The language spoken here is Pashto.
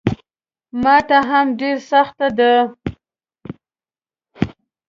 ماته هم ډېره سخته ده.